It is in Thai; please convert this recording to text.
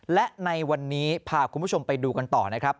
และในวันนี้พาคุณผู้ชมไปดูกันต่อนะครับ